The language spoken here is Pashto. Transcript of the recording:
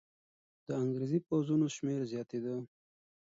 د انګریزي پوځونو شمېر زیاتېده.